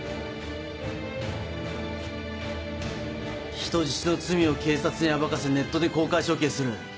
人質の罪を警察に暴かせネットで公開処刑する。